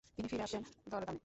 তিনি ফিরে আসেন ধরাধামে।